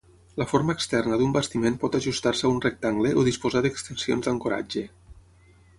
La forma externa d'un bastiment pot ajustar-se a un rectangle o disposar d'extensions d'ancoratge.